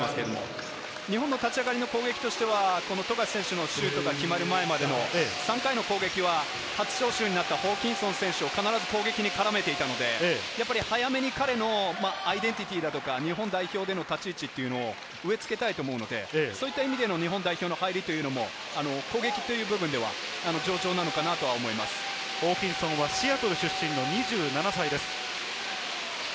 日本の立ち上がりの攻撃としては、富樫選手が決まる前までも３回の攻撃は初招集になったホーキンソン選手、必ず攻撃に絡めて来たので、早めに彼のアイデンティティー、日本代表での立ち位置を植えつけたいと思うので、日本代表の走りは、攻撃という面では、上々なのホーキンソンはシアトル出身の２７歳です。